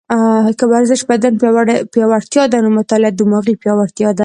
که ورزش بدني پیاوړتیا ده، نو مطاله دماغي پیاوړتیا ده